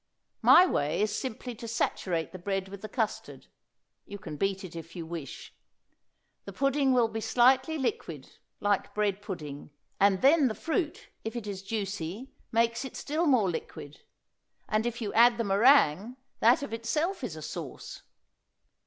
My way is simply to saturate the bread with the custard. You can beat it if you wish. The pudding will be slightly liquid, like bread pudding, and then the fruit, if it is juicy, makes it still more liquid, and if you add the meringue, that of itself is a sauce.